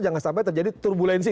jangan sampai terjadi turbulensi